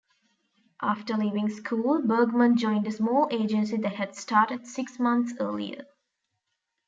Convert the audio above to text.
After leaving school, Bergman joined a small agency that had started six months earlier.